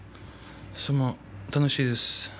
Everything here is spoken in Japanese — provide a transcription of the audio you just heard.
相撲、楽しいです。